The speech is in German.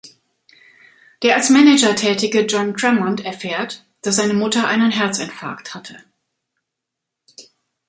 Der als Manager tätige John Tremont erfährt, dass seine Mutter einen Herzinfarkt hatte.